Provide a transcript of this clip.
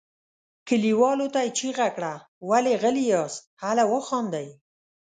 کليوالو ته یې چیغه کړه ولې غلي یاست هله وخاندئ.